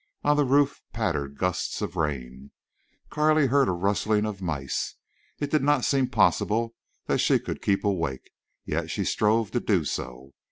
On the roof pattered gusts of rain. Carley heard a rustling of mice. It did not seem possible that she could keep awake, yet she strove to do so.